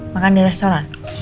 makan di restoran